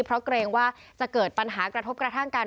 เพราะเกรงว่าจะเกิดปัญหากระทบกระทั่งกัน